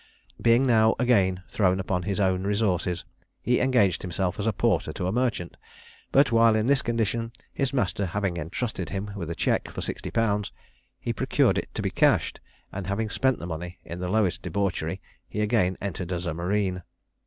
Being now again thrown upon his own resources, he engaged himself as porter to a merchant; but while in this condition, his master having entrusted him with a check, for sixty pounds, he procured it to be cashed, and having spent the money in the lowest debauchery, he again entered as a marine.